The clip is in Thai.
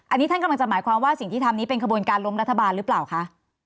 อันนี้ท่านกำลังจะหมายความว่าสิ่งที่ทำนี้เป็นขบวนการล้มรัฐบาลหรือเปล่าคะ